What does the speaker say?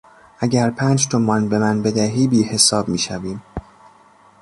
اگر پنج تومان بمن بدهی بیحساب می شویم.